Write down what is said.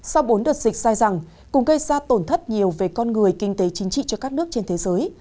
sau bốn đợt dịch dài dẳng cùng gây ra tổn thất nhiều về con người kinh tế chính trị cho các nước trên thế giới